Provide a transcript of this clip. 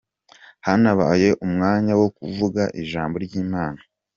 Hanabaye umwanya wo kuvuga ijambo ry'Imana.